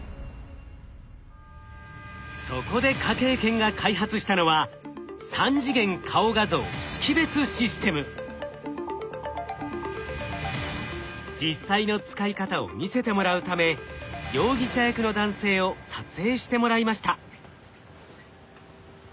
そこで科警研が開発したのは実際の使い方を見せてもらうため容疑者役の男性を撮影してもらいました。